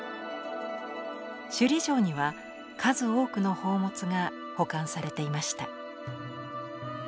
首里城には数多くの宝物が保管されていました。